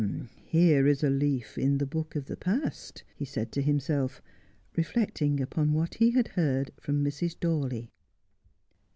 ' Here is a leaf in the book of the past,' he said to himself, reflecting upon what he had heard from Mrs. Dawley.